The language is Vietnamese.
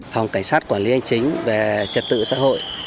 phòng cảnh sát quản lý hành chính về trật tự xã hội